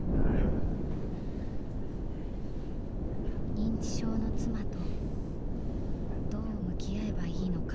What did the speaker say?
認知症の妻とどう向き合えばいいのか。